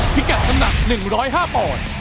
พิกัดน้ำหนัก๑๐๕ปอนด์